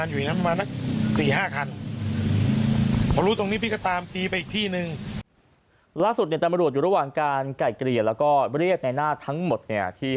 ล่าสุดเนี่ยตำรวจอยู่ระหว่างการไก่เกลี่ยแล้วก็เรียกในหน้าทั้งหมดเนี่ยที่